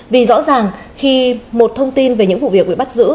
vì rõ ràng khi một thông tin về những vụ việc bị bắt giữ